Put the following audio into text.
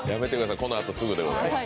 このあとすぐでございます。